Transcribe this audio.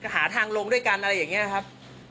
หาทางลงด้วยกันอะไรอย่างนี้ครับ